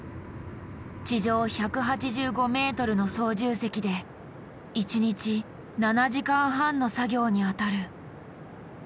地上１８５ｍの操縦席で１日７時間半の作業に当たる。